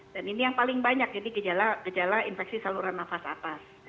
dan ini yang paling banyak jadi gejala infeksi saluran nafas atas